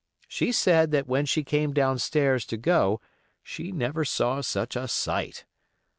She said that when she came downstairs to go she never saw such a sight.